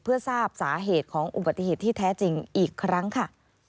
เพื่อทราบสาเหตุของอุบัติเหตุที่แท้จริงอีกครั้งค่ะ